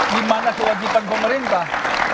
di mana kewajiban pemerintah